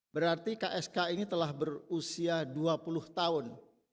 berarti ksk ini telah berusia dua puluh tahun